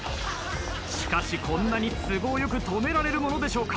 しかしこんなに都合よく止められるものでしょうか？